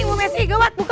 bu messi gemet buka